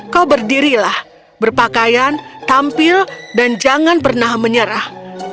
kau berdirilah berpakaian tampil dan jangan pernah menyerah